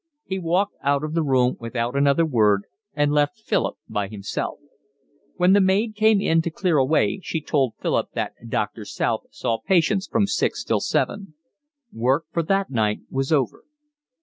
He walked out of the room without another word and left Philip by himself. When the maid came in to clear away she told Philip that Doctor South saw patients from six till seven. Work for that night was over.